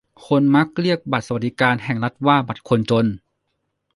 คนมักเรียกบัตรสวัสดิการแห่งรัฐว่าบัตรคนจน